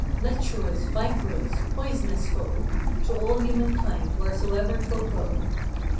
Lecherous! viperous! poisonous foe To all human kind wheresoever 'twill go.